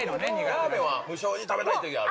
ラーメンは無性に食べたい時ある？